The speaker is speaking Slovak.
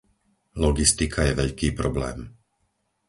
Logistika je veľký problém.